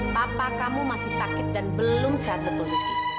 papa kamu masih sakit dan belum sehat betul rizky